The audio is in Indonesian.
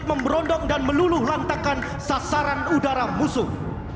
memberondong dan meluluh lantakan sasaran udara musuh